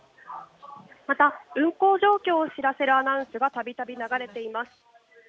また、運行状況を知らせるアナウンスがたびたび流れています。